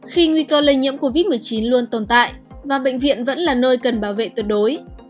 khi nguy cơ lây nhiễm covid một mươi chín luôn tồn tại và bệnh viện vẫn là nơi cần bảo vệ tuyệt đối